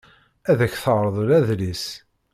Ad ak-terḍel adlis.